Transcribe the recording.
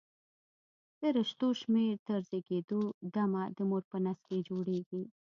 د رشتو شمېر تر زېږېدو د مه د مور په نس کې جوړېږي.